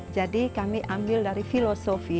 jadi kami ambil dari filosofi